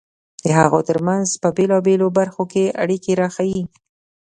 د هغوی ترمنځ په بېلابېلو برخو کې اړیکې راښيي.